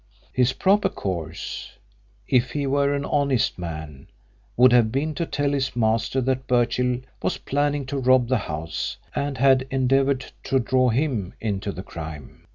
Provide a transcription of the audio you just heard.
His proper course, if he were an honest man, would have been to tell his master that Birchill was planning to rob the house and had endeavoured to draw him into the crime.